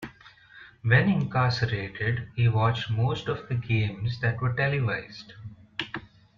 While incarcerated, he watched most of the games that were televised.